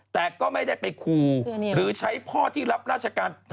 แต่ก็ไม่ได้ไปครูหรือใช้พ่อที่รับราชการ